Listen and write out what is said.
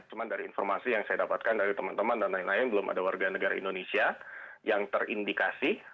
cuma dari informasi yang saya dapatkan dari teman teman dan lain lain belum ada warga negara indonesia yang terindikasi